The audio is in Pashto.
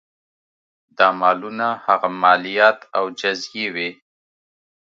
دا مالونه هغه مالیات او جزیې وې.